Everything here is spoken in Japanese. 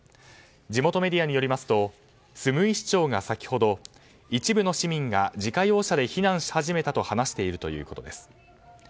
地元メディアによりますとスムイ市長が先ほど一部の市民が自家用車で避難し始めたと話しているということです。